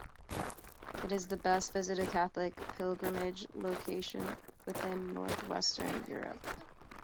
It is the best visited Catholic pilgrimage location within north-western Europe.